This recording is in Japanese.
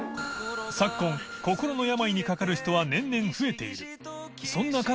禳鮑心の病にかかる人は年々増えている磴修